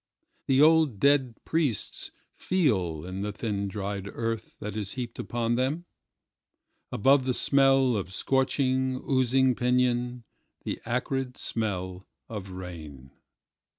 The old dead priestsFeel in the thin dried earth that is heaped about them, Above the smell of scorching, oozing pinyon, The acrid smell of rain.